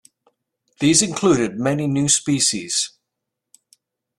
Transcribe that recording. These included many new species.